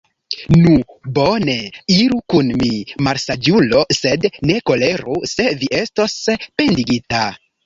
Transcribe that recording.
Nu, bone, iru kun mi, malsaĝulo, sed ne koleru, se vi estos pendigita!